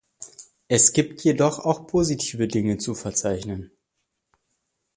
Es gibt jedoch auch positive Dinge zu verzeichnen.